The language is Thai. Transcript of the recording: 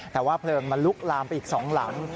แต่ว่าเพลิงมันลุกลามไปอีก๒หลัง